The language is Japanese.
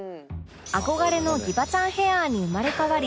憧れのギバちゃんヘアに生まれ変わり